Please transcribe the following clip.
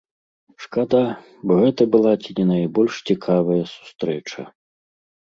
Шкада, бо гэта была ці не найбольш цікавая сустрэча.